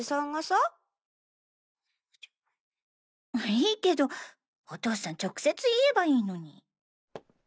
いいけどお父さん直接言えばいいのに。